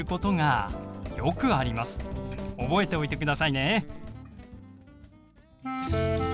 覚えておいてくださいね。